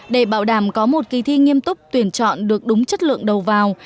để bảo đảm có một kỳ thi nghiêm túc tuyển chọn được đúng chất lượng đầu vào